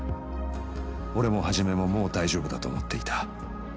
俺も始ももう大丈夫だと思っていた。